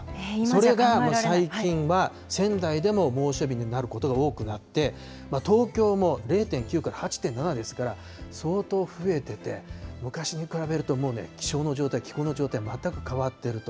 それが最近は、仙台でも猛暑日になることが多くなって、東京も０．９から８．７ですから、相当増えてて、昔に比べると気象の状態、気候の状態が全く変わってると。